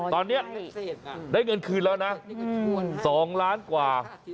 ตอนนี้ได้เงินคืนแล้วนะ๒ล้านกว่า